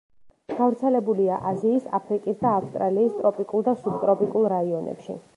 გავრცელებულია აზიის, აფრიკის და ავსტრალიის ტროპიკულ და სუბტროპიკულ რაიონებში.